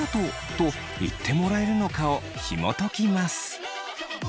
と言ってもらえるのかをひもときます。